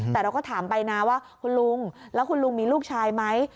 แต่เราก็ถามไปนะว่าคุณลุงแล้วคุณลุงมีลูกชายไหม